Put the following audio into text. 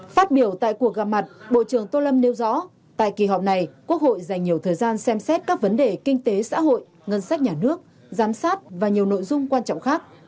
phát biểu tại cuộc gặp mặt bộ trưởng tô lâm nêu rõ tại kỳ họp này quốc hội dành nhiều thời gian xem xét các vấn đề kinh tế xã hội ngân sách nhà nước giám sát và nhiều nội dung quan trọng khác